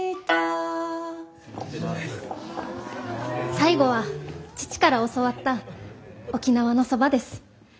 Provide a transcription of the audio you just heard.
最後は父から教わった沖縄のそばです。